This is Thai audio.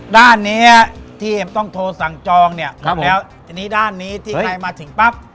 ด้านเนี้ยที่ต้องโทรสั่งจองเนี่ยแล้วทีนี้ด้านนี้ที่ใครมาถึงปั๊บ